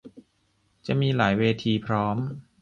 จะมีหลายเวทีพร้อม